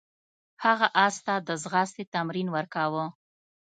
هغه اس ته د ځغاستې تمرین ورکاوه.